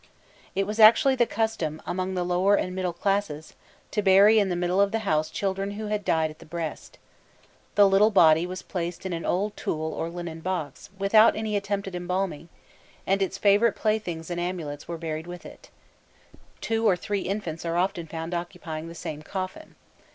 It was actually the custom, among the lower and middle classes, to bury in the middle of the house children who had died at the breast. The little body was placed in an old tool or linen box, without any attempt at embalming, and its favourite playthings and amulets were buried with it: two or three infants are often found occupying the same coffin.